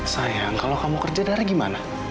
sayang kalau kamu kerja dari gimana